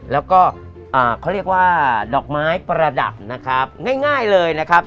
แล้วก็เขาเรียกว่าดอกไม้ประดับนะครับง่ายเลยนะครับ